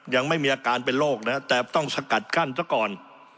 ยังไม่มีอาการเป็นโรคนะแต่ต้องสกัดกั้นซะก่อน